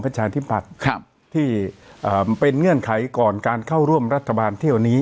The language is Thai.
ประชาธิปัตย์ที่เป็นเงื่อนไขก่อนการเข้าร่วมรัฐบาลเที่ยวนี้